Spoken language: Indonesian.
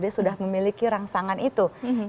dia sudah memiliki rangsangan itu